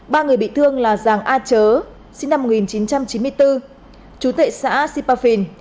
ba người bị thương là giàng a chớ sinh năm một nghìn chín trăm chín mươi bốn chú tệ xã sipafin